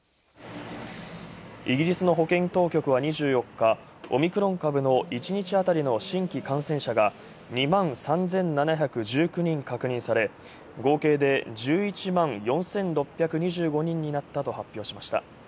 イギリスの保健当局は２４日、オミクロン株の１日当たりの新規感染者が２万３７１９人確認され合計で１１万４６２５人になったと発表しました。